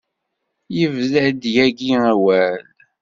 Yebda-d yagi awal.